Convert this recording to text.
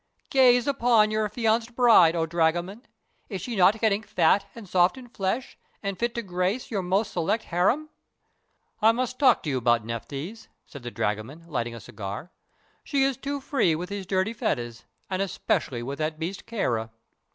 Gaze upon your affianced bride, O Dragoman! Is she not getting fat and soft in flesh, and fit to grace your most select harem?" "I must talk to you about Nephthys," said the dragoman, lighting a cigarette. "She is too free with these dirty Fedahs, and especially with that beast Kāra."